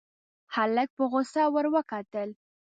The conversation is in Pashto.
هلک په غوسه ور وکتل.